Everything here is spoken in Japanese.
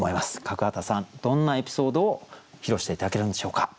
角幡さんどんなエピソードを披露して頂けるんでしょうか？